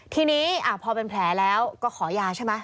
ทีนี้พอเป็นแผลแล้วก็ขอยาใช่ไหม